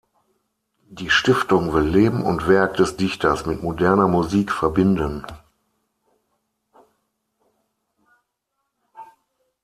Die Stiftung will Leben und Werk des Dichters mit moderner Musik verbinden.